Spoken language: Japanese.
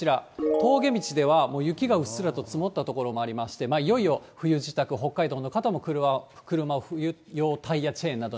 峠道では、もう雪がうっすらと積もった所もありまして、いよいよ冬支度、北海道の方も車を冬用タイヤチェーンに。